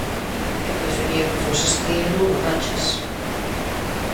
E prefería que foses ti e non o Rachas.